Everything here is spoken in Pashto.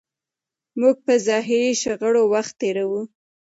موږ په ظاهري شخړو وخت تېروو.